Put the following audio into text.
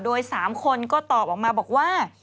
โดย๓คนก็ตอบออกมาบอกว่า